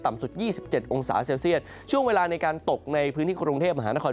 สุด๒๗องศาเซลเซียตช่วงเวลาในการตกในพื้นที่กรุงเทพมหานคร